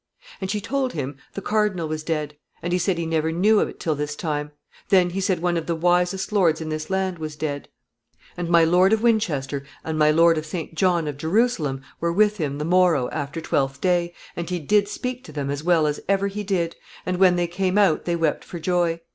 "And she told him the cardinal was dead, and he said he never knew of it till this time; then he said one of the wisest lords in this land was dead. "And my Lord of Winchester and my Lord of St. John of Jerusalem were with him the morrow after Twelfth day, and he did speak to them as well as ever he did, and when they came out they wept for joy.